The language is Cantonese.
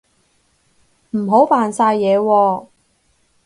唔好扮晒嘢喎